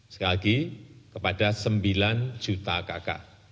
sekali lagi kepada sembilan juta kakak